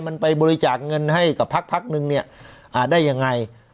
มันไปบริจาคเงินให้กับพักนึงเนี่ยได้ยังไง